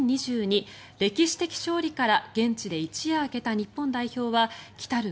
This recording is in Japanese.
歴史的勝利から現地で一夜明けた日本代表は来たる